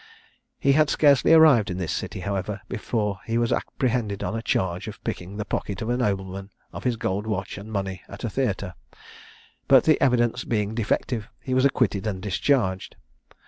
He had scarcely arrived in this city, however, before he was apprehended on a charge of picking the pocket of a nobleman of his gold watch and money at a theatre; but the evidence being defective, he was acquitted and discharged.